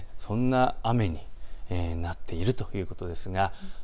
そんな雨になっているということです。